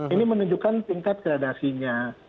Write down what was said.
ini menunjukkan tingkat gradasinya